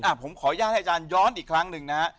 อะผมขอย้างให้อาจารย์ย้อนอีกครั้งหนึ่งนะ